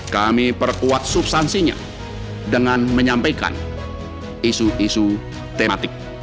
kami perkuat substansinya dengan menyampaikan isu isu tematik